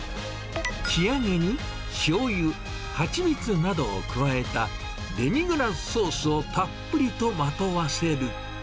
仕上げに、しょうゆ、蜂蜜などを加えた、デミグラスソースをたっぷりとまとわせる。